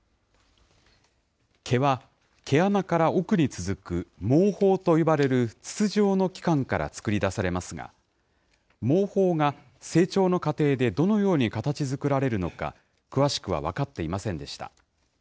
毛は、毛穴から奥に続く毛包といわれる筒状の器官から作り出されますが、毛包が成長の過程でどのように形作られるのか、詳しくは分かっていませんでした。